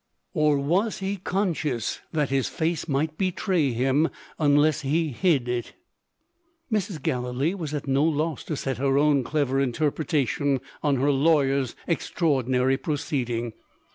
or was he conscious that his face might betray him unless he hid it? Mrs. Galilee was at no loss to set her own clever interpretation on her lawyer's extraordinary proceeding.